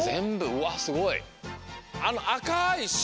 うわすごい。